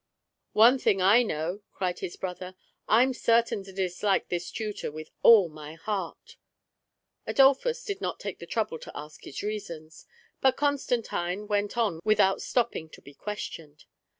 10 THE ARRIVAL. "One thing I know," cried his brother, "I'm certain to dislike tliis tutor with all my heart" Adolphus did not take the trouble to ask his reasons, but Constantino went on without stopping to be ques tioned.